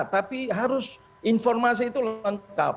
tapi harus informasi itu lengkap